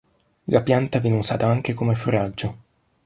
La pianta viene usata anche come foraggio.